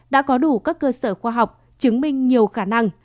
đã có đủ các cơ sở khoa học chứng minh nhiều khả năng